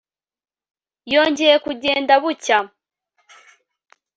yongeye kugenda bucya